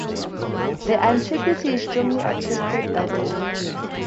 Their antiquity is strongly attested by their religion.